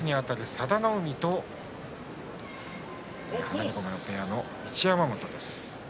佐田の海と放駒部屋の一山本です。